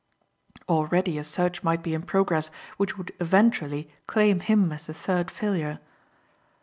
Already a search might be in progress which would eventually claim him as the third failure.